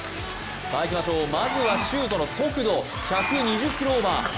まずはシュートの速度１２０キロオーバー